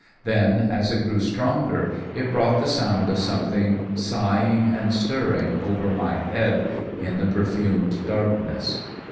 Then, as it grew stronger, it brought the sound of something sighing and stirring over my head in the perfumed darkness.